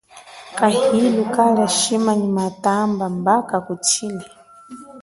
Kahilu kalia shima nyi matamba mba kakutshile.